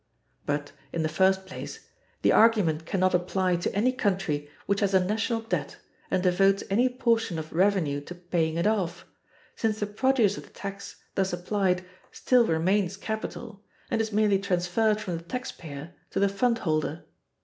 But, in the first place, the argument can not apply to any country which has a national debt and devotes any portion of revenue to paying it off, since the produce of the tax, thus applied, still remains capital, and is merely transferred from the tax payer to the fund holder.